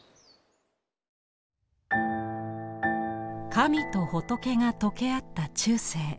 神と仏がとけあった中世。